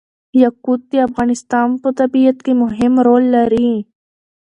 یاقوت د افغانستان په طبیعت کې مهم رول لري.